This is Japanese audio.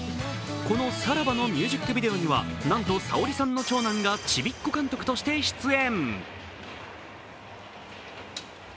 この「サラバ」のミュージックビデオにはなんとＳａｏｒｉさんの長男がちびっこ監督として出演。